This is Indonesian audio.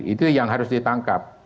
itu yang harus ditangkap